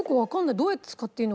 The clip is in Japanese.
どうやって使っていいのかが。